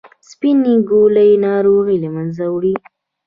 سپینې ګولۍ ناروغي له منځه وړي.